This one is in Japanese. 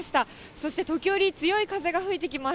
そして時折、強い風が吹いてきます。